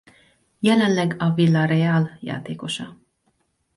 Jelenleg a Villarreal játékosa.